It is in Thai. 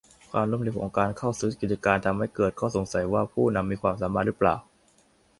ความล้มเหลวของการเข้าซื้อกิจการ ทำให้เกิดข้อสงสัยว่าผู้นำมีความสามารถรึเปล่า